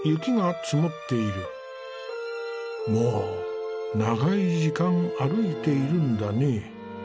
もう長い時間歩いているんだね。